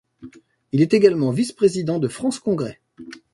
Il est également vice-président de France Congrès.